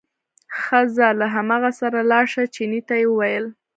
ښه ځه له هماغه سره لاړ شه، چیني ته یې وویل.